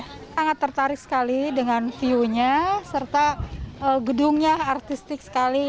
saya sangat tertarik sekali dengan view nya serta gedungnya artistik sekali